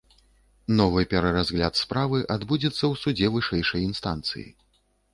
Новы пераразгляд справы адбудзецца ў судзе вышэйшай інстанцыі.